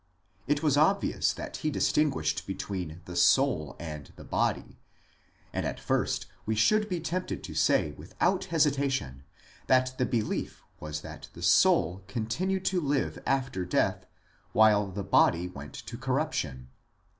It was obvious that he distinguished between the soul and the body ; and at first we should be tempted to say without hesitation that the belief was that the soul continued to live after death, while the body went to corruption.